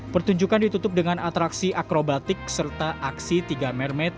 pertunjukan ditutup dengan atraksi akrobatik serta aksi tiga mermet